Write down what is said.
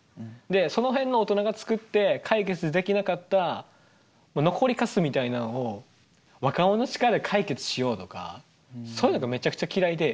でその辺の大人が作って解決できなかった残りかすみたいなんを若者の力で解決しようとかそういうのがめちゃくちゃ嫌いで。